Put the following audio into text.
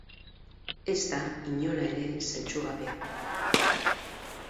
Ez da inola ere zentzugabea.